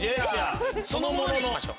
そのものにしましょう。